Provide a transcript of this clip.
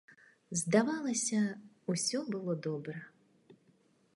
Здавалася, усё было добра.